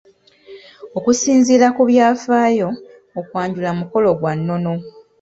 "Okusinziira ku byafaayo, okwanjula mukolo gwa nnono."